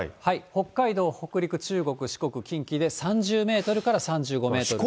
北海道、北陸、中国、四国、近畿で３０メートルから３５メートル。